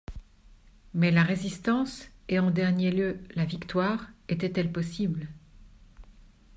Mais la résistance, et en dernier lieu la victoire, étaient-elles possibles